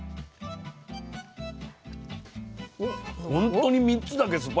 本当に３つだけ？